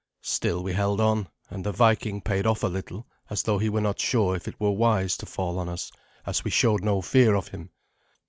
Still we held on, and the Viking paid off a little, as though he were not so sure if it were wise to fall on us, as we showed no fear of him.